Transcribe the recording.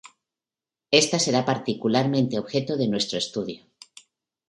Ésta será particularmente objeto de nuestro estudio.